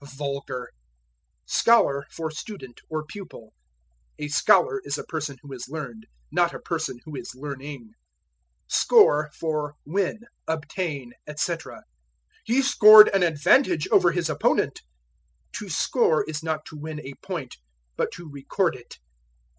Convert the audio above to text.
Vulgar. Scholar for Student, or Pupil. A scholar is a person who is learned, not a person who is learning. Score for Win, Obtain, etc. "He scored an advantage over his opponent." To score is not to win a point, but to record it.